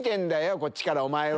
こっちからお前を。